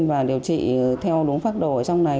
và điều trị theo đúng pháp đồ ở trong này